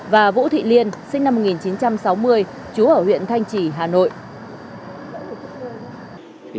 và vũ thị liên sinh năm một nghìn chín trăm sáu mươi chú ở huyện thanh trì hà nội